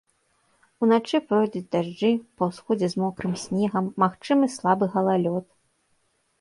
Уначы пройдуць дажджы, па ўсходзе з мокрым снегам, магчымы слабы галалёд.